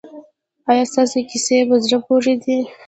ایا ستاسو کیسې په زړه پورې دي؟